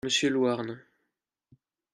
Monsieur Louarn.